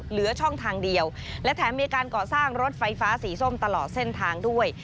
เหลือช่องทางเดียวและแถมมีการก่อสร้างรถไฟฟ้าสีส้มตลอดเส้นทางด้วย